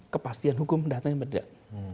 kepastian hukum datang atau tidak